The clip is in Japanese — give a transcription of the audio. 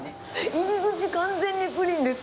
入り口、完全にプリンです。